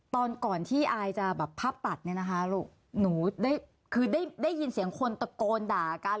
ตอนก่อนที่อายจะแบบภาพตัดเนี่ยนะคะลูกหนูได้คือได้ยินเสียงคนตะโกนด่ากัน